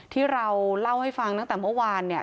ที่เราเล่าให้ฟังตั้งแต่เมื่อวานเนี่ย